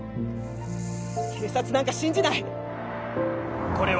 警察なんか信じない。